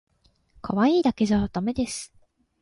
かわいいだけじゃだめです